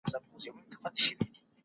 سياستپوهنه تر نورو علومو زياته لرغونې ده.